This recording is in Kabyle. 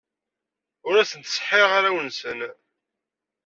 Ur asen-ttseḥḥireɣ arraw-nsen.